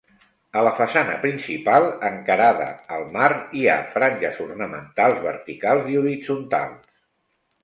A la façana principal, encarada al mar, hi ha franges ornamentals verticals i horitzontals.